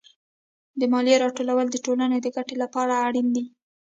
د مالیې راټولول د ټولنې د ګټې لپاره اړین دي.